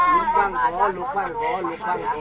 ลูกจะแชร์ลูกลูกฟังขอตอนเนี้ยฟังขอลูกฟังขอ